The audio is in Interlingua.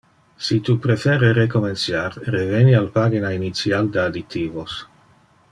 Si tu prefere recomenciar, reveni al pagina initial de additivos.